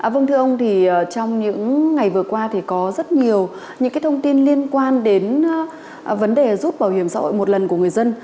vâng thưa ông thì trong những ngày vừa qua thì có rất nhiều những thông tin liên quan đến vấn đề rút bảo hiểm xã hội một lần của người dân